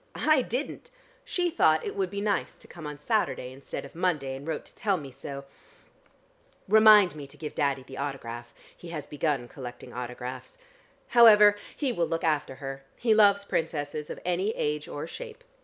"I didn't: she thought it would be nice to come on Saturday instead of Monday, and wrote to tell me so remind me to give Daddy the autograph: he has begun collecting autographs However, he will look after her: he loves Princesses of any age or shape.